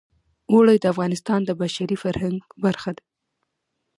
اوړي د افغانستان د بشري فرهنګ برخه ده.